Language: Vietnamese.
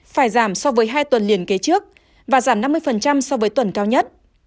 phải giảm so với hai tuần liền kế trước và giảm năm mươi so với tuần cao nhất